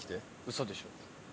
嘘でしょ？